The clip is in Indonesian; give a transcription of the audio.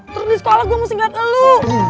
terus di sekolah gue mesti ngeliat elu